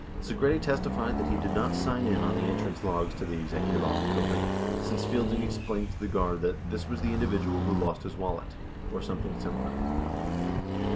59 Segretti testified that he did not sign in on the entrance logs to the Executive Office Building, since Fielding explained to the guard that "this was the individual who lost his wallet," or something similar.